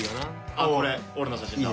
あっこれ俺の写真だ。